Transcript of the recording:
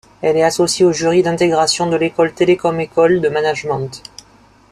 Elle est associée aux jury d’intégration de l’école Télécom École de Management.